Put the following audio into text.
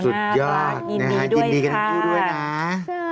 สุดยอดนะครับยินดีกับทุกผู้ด้วยนะครับอืมน่าข้าวน้ำกล้ายินดีด้วยค่ะ